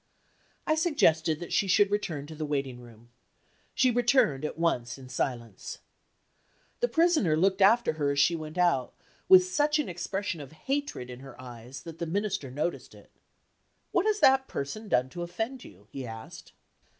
I suggested that she should return to the waiting room. She returned at once in silence. The Prisoner looked after her as she went out, with such an expression of hatred in her eyes that the Minister noticed it. "What has that person done to offend you?" he asked.